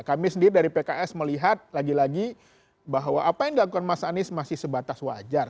kami sendiri dari pks melihat lagi lagi bahwa apa yang dilakukan mas anies masih sebatas wajar